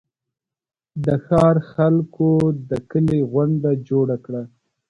د ښار خلکو د کلي غونډه جوړه کړه.